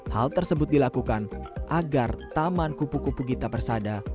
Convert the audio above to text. hal tersebut dilakukan agar taman kupu kupu gita persada